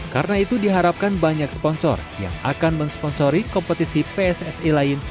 karena itu diharapkan banyak sponsor yang akan mensponsori kompetisi pssi lain